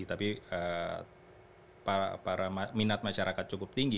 tapi minat masyarakat cukup tinggi